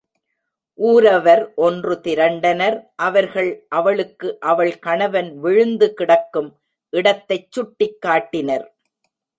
ஊரவர் ஒன்று திரண்டனர் அவர்கள் அவளுக்கு அவள் கணவன் விழுந்து கிடக்கும் இடத்தைச் சுட்டிக் காட்டினர்.